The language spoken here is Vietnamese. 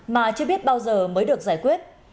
mà chưa biết bao giờ mới được giải quyết